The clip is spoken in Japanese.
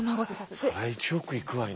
それ１億いくわいな。